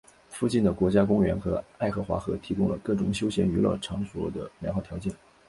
附近的国家公园和爱荷华河提供了各种休闲娱乐活动的良好条件。